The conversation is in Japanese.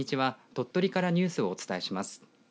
鳥取からニュースをお伝えします。